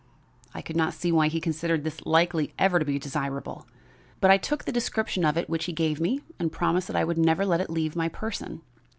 I could not see why he considered this likely ever to be desirable, but I took the description of it which he gave me and promised that I would never let it leave my person.